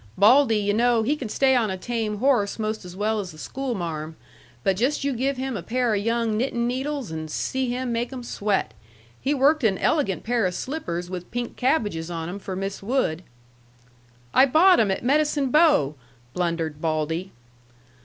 Baldy, yu' know, he can stay on a tame horse most as well as the schoolmarm. But just you give him a pair of young knittin' needles and see him make 'em sweat! He worked an elegant pair of slippers with pink cabbages on 'em for Miss Wood." "I bought 'em at Medicine Bow," blundered Baldy.